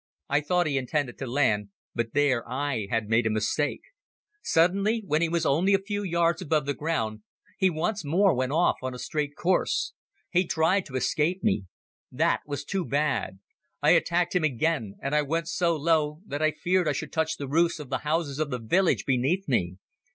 I thought he intended to land but there I had made a mistake. Suddenly, when he was only a few yards above the ground, he once more went off on a straight course. He tried to escape me. That was too bad. I attacked him again and I went so low that I feared I should touch the roofs of the houses of the village beneath me.